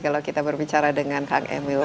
kalau kita berbicara dengan kang emil